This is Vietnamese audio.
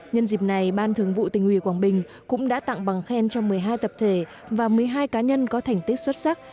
nhân dịp này ban thường vụ tỉnh ủy quảng bình cũng đã tặng bằng khen cho một mươi hai tập thể và một mươi hai cá nhân có thành tích xuất sắc